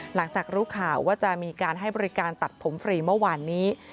หลังจากรู้ข่าวว่าจะมีการให้บริการตัดผมฟรีเมื่อวานนี้